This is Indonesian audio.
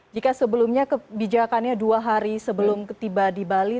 jika sebelumnya kebijakannya dua hari sebelum tiba di bali